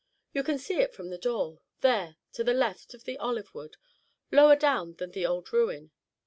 You can see it from the door, there, to the left of the olive wood, lower down than the old ruin.